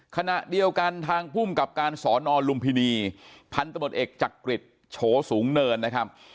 ขณะเดียวกันทางภูมิกับการสอนอลุมพินีพันธบทเอกจักริจโฉสูงเนินนะครับ